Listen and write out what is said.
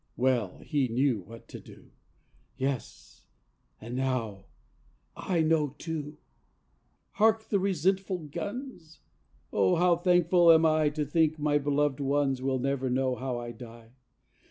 Well, he knew what to do, Yes, and now I know too. ... Hark the resentful guns! Oh, how thankful am I To think my beloved ones Will never know how I die!